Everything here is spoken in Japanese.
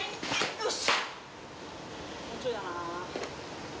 よし！